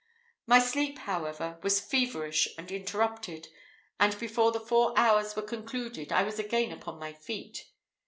My sleep, however, was feverish and interrupted, and before the four hours were concluded I was again upon my feet.